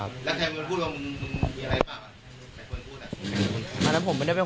แล้วใครมึงพูดว่ามึงมีอะไรบ้าง